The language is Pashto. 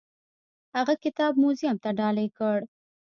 هغه کتاب موزیم ته ډالۍ کړ.